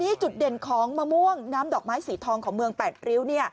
นี่จุดเด่นของมะม่วงน้ำดอกไม้สีทองของเมือง๘ริ้ว